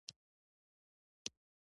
د لیاقت معیار نه لرل سیستم خرابوي.